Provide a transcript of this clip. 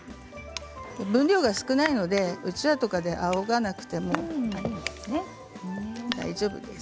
分量が少ないのでうちわとかであおがなくても大丈夫です。